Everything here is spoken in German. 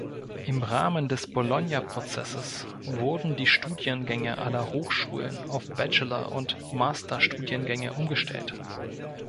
Im Rahmen des Bologna-Prozesses wurden die Studiengänge aller Hochschulen auf Bachelor- und Masterstudiengänge umgestellt.